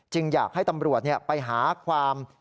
อยากให้ตำรวจไปหาความ